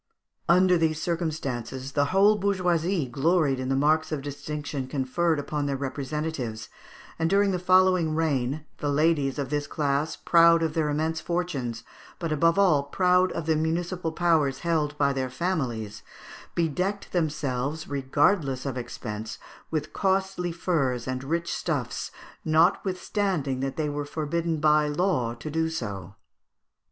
Under these circumstances, the whole bourgeoisie gloried in the marks of distinction conferred upon their representatives, and during the following reign, the ladies of this class, proud of their immense fortunes, but above all proud of the municipal powers held by their families, bedecked themselves, regardless of expense, with costly furs and rich stuffs, notwithstanding that they were forbidden by law to do so.